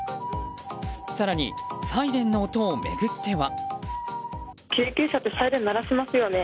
更に、サイレンの音を巡っては。